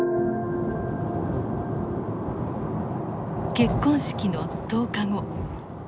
結婚式の１０日後。